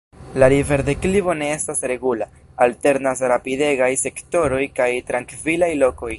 La riverdeklivo ne estas regula – alternas rapidegaj sektoroj kaj trankvilaj lokoj.